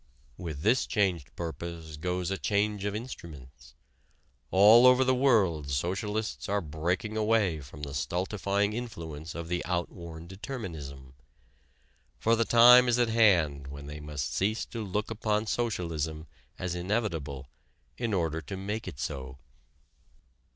With this changed purpose goes a change of instruments. All over the world socialists are breaking away from the stultifying influence of the outworn determinism. For the time is at hand when they must cease to look upon socialism as inevitable in order to make it so.